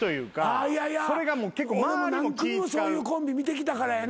俺も何組もそういうコンビ見てきたからやな。